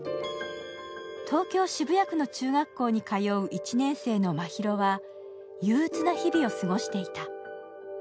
東京・渋谷区の中学校に通う１年生の真宙は、憂鬱な日々を過ごしていた。